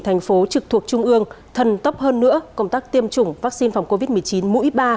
thành phố trực thuộc trung ương thần tốc hơn nữa công tác tiêm chủng vaccine phòng covid một mươi chín mũi ba